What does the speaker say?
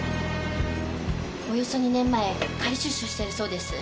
およそ２年前仮出所してるそうです。